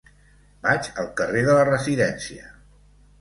Vaig al carrer de la Residència.